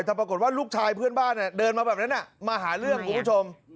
แต่ปรากฏว่าลูกชายเพื่อนบ้านเดินมาแบบนั้นมาหาเรื่องคุณผู้ชม